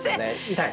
痛い？